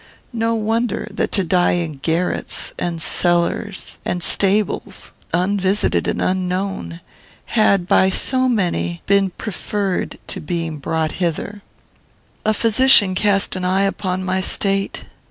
No wonder that to die in garrets, and cellars, and stables, unvisited and unknown, had, by so many, been preferred to being brought hither. "A physician cast an eye upon my state.